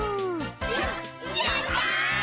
ややった！